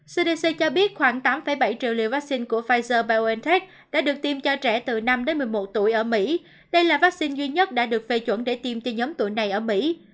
cdc cho biết khoảng tám bảy triệu liều vaccine của pfizer biontech đã được tiêm cho trẻ từ năm đến một mươi một tuổi ở mỹ đây là vaccine duy nhất đã được phê chuẩn để tiêm cho nhóm tuổi này ở mỹ